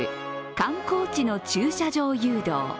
「観光地の駐車場誘導」。